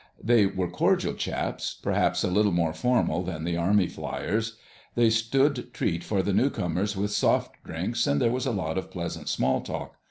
They were cordial chaps, perhaps a little more formal than the Army fliers. They stood treat for the newcomers with soft drinks and there was a lot of pleasant small talk.